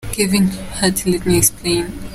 Kevin Hart : Let Me Explain .